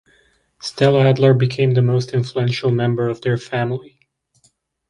Stella Adler became the most influential member of their family.